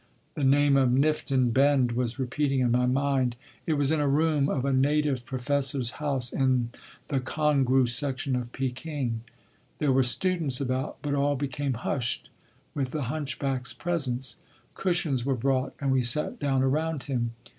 The name of Nifton Bend was repeating in my mind. It was in a room of a native professor’s house in the Congrou section of Peking. There were students about, but all became hushed with the Hunchback’s presence. Cushions were brought and we sat down around him.